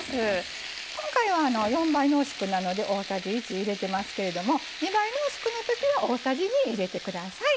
今回は４倍濃縮なので大さじ１入れてますけれども２倍濃縮のときは大さじ２入れて下さい。